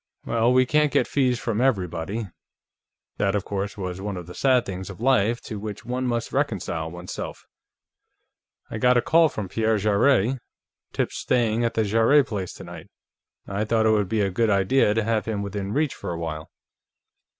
Well, we can't get fees from everybody." That, of course, was one of the sad things of life to which one must reconcile oneself. "I got a call from Pierre Jarrett; Tip's staying at the Jarrett place tonight. I thought it would be a good idea to have him within reach for a while."